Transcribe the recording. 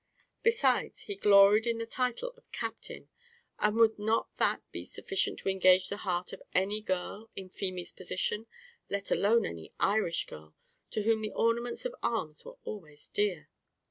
Besides, he gloried in the title of Captain, and would not that be sufficient to engage the heart of any girl in Feemy's position? let alone any Irish girl, to whom the ornaments of arms are always dear.